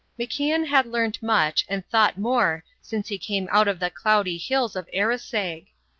MacIan had learnt much and thought more since he came out of the cloudy hills of Arisaig.